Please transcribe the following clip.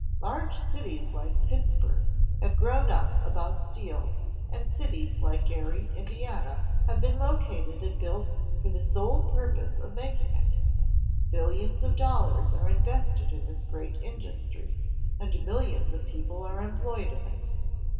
Large cities like Pittsburgh have kL^M^K^S STEEL CONSTRUCTION SKYSCRAPERS grown up about steel, and cities like Gary, Indiana, have been located and built for the sole purpose of making it. Billions of dollars are invested in this great industry, and millions of people are employed in it.